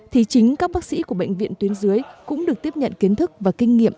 thì chính các bác sĩ của bệnh viện tuyến dưới cũng được tiếp nhận kiến thức và kinh nghiệm